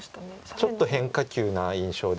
ちょっと変化球な印象です。